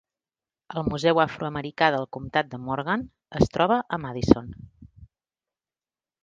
El Museu Afroamericà del Comtat de Morgan es troba a Madison.